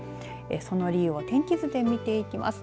その理由を天気図で見ていきます。